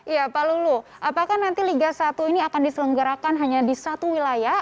ya pak lulu apakah nanti liga satu ini akan diselenggarakan hanya di satu wilayah